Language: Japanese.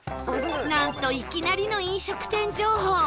なんといきなりの飲食店情報